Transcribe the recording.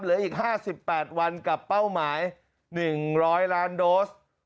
เหลืออีก๕๘วันกับเป้าหมาย๑๐๐ล้านโดส